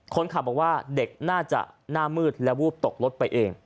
คนขับบอกว่าเด็กน่าจะหน้ามืดและวูบตกรถไปเอง